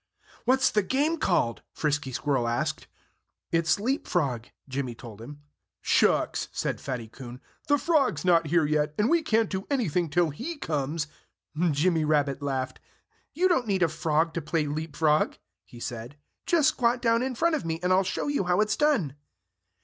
"What's the game called?" Frisky Squirrel asked. "It's leap frog," Jimmy told him. "Shucks!" said Fatty Coon. "The frog's not here yet. And we can't do anything till he comes." Jimmy Rabbit laughed. "You don't need a frog to play leap frog," he said. "Just squat down in front of me and I'll show you how it's done."